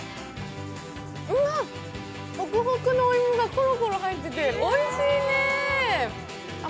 うわっ、ホクホクのお芋がころころ入ってておいしいね。